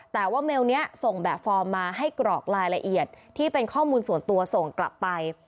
แต่ว่าเมลนี้ส่งแบบฟอร์มมาให้กรอกรายละเอียดที่เป็นข้อมูลส่วนตัวส่งกลับไป